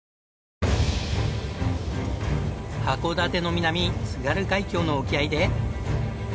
函館の南津軽海峡の沖合で。